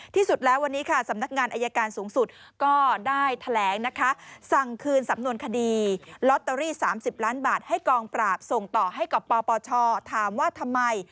ที่สุดแล้ววันนี้ค่ะสำนักงานอายการสูงสุดก็ได้แถลงนะคะสั่งคืนสำนวนคดีลอตเตอรี่๓๐ล้านบาทให้กองปราบส่งต่อให้กับปปชถามว่าทำไม